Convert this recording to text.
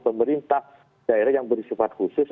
pemerintah daerah yang bersifat khusus